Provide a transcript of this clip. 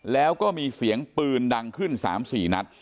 แล้วก็มีเสียงปืนดังขึ้น๓๔นัด